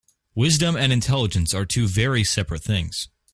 Wisdom and intelligence are two very seperate things.